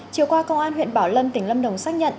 chiều qua công an huyện bảo lâm tỉnh lâm đồng xác nhận